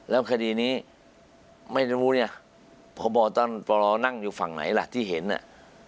แล้วคดีนี้ไม่รู้เนี่ยพบท่านปรนั่งอยู่ฝั่งไหนล่ะที่เห็นน่ะ